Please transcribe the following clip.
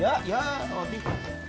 ya ya otih